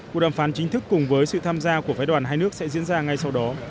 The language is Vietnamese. cuộc đàm phán chính thức cùng với sự tham gia của phái đoàn hai nước sẽ diễn ra ngay sau đó